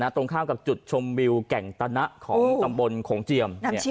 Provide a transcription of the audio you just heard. ตรงข้ามกับจุดชมวิวแก่งตะนะของตำบลโขงเจียม